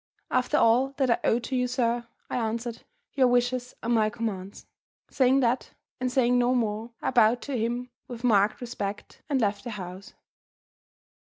"After all that I owe to you, sir," I answered, "your wishes are my commands." Saying that, and saying no more, I bowed to him with marked respect, and left the house.